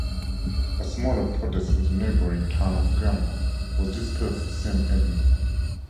A smaller protest in the neighboring town of Guelma was dispersed the same evening.